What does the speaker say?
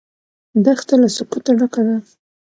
دښته له سکوته ډکه ده.